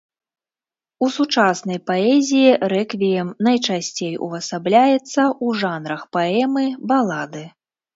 У сучаснай паэзіі рэквіем найчасцей увасабляецца ў жанрах паэмы, балады.